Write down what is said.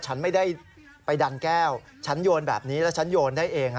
ฉันไม่ได้ไปดันแก้วฉันโยนแบบนี้แล้วฉันโยนได้เอง